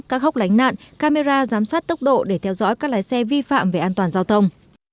các hốc lánh nạn camera giám sát tốc độ để theo dõi các lái xe vi phạm về an toàn giao thông